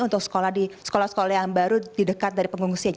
untuk sekolah sekolah yang baru di dekat dari pengungsian